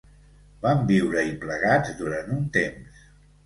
Vam viure-hi plegats durant un temps.